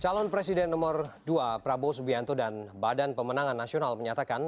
calon presiden nomor dua prabowo subianto dan badan pemenangan nasional menyatakan